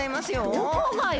どこがよ！